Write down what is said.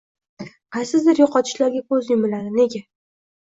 qaysidir yo‘qotishlarga ko‘z yumiladi. Nega?